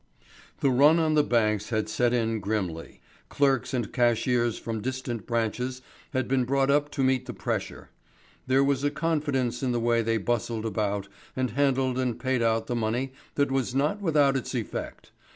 The run on the banks had set in grimly. Clerks and cashiers from distant branches had been brought up to meet the pressure. There was a confidence in the way they bustled about and handled and paid out the money that was not without its effect.